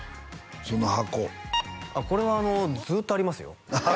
その箱これはずっとありますよああ